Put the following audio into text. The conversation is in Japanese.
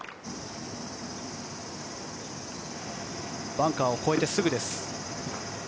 バンカーを越えてすぐです。